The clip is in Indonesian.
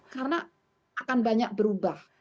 karena akan banyak berubah